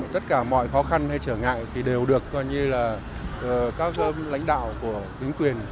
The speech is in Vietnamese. tất cả mọi khó khăn hay trở ngại thì đều được các lãnh đạo của chính quyền